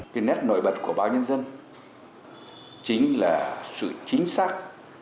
cái nét nổi bật của báo nhân dân chính là sự chính xác